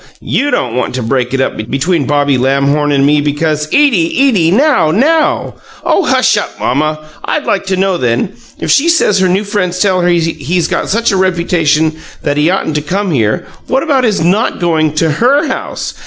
YOU don't want to break it up between Bobby Lamhorn and me because " "Edie, Edie! Now, now!" "Oh, hush up, mamma! I'd like to know, then, if she says her new friends tell her he's got such a reputation that he oughtn't to come here, what about his not going to HER house.